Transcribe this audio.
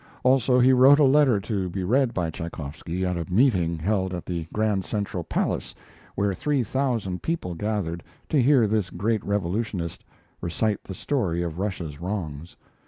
Also he wrote a letter to be read by Tchaykoffsky at a meeting held at the Grand Central Palace, where three thousand people gathered to hear this great revolutionist recite the story of Russia's wrongs.